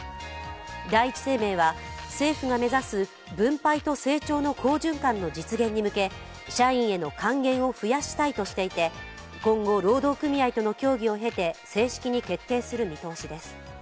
第一生命は、政府が目指す分配と成長の好循環の実現に向け、社員への還元を増やしたいとしていて、今後、労働組合との協議を経て、正式に決定する見通しです。